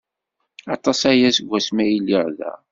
Aṭas aya seg wasmi ay lliɣ da.